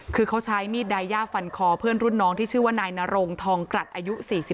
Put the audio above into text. คือเขาใช้มีดไดย่าฟันคอเพื่อนรุ่นน้องที่ชื่อว่านายนรงทองกรัฐอายุ๔๒